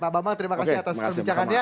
pak bambang terima kasih atas perbincangannya